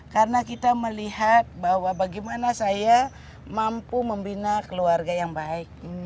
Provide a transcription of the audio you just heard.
karena kita melihat bahwa bagaimana saya mampu membina keluarga yang baik